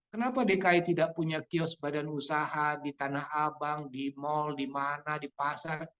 kenapa dki tidak punya kios badan usaha di tanah abang di mal di mana di pasar